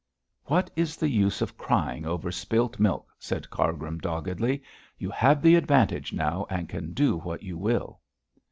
'What is the use of crying over spilt milk?' said Cargrim, doggedly. 'You have the advantage now and can do what you will.'